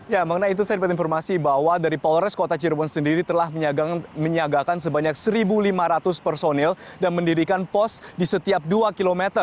ya mengenai itu saya dapat informasi bahwa dari polres kota cirebon sendiri telah menyiagakan sebanyak satu lima ratus personil dan mendirikan pos di setiap dua km